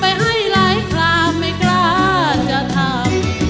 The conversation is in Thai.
ไปให้หลายครามไม่กล้าจะทำ